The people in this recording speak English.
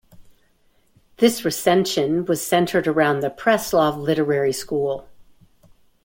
This recension was centred around the Preslav Literary School.